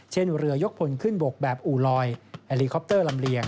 เช่นเรือยกพลขึ้นบกแบบอูลอยแฮลีคอปเตอร์ลำเลียง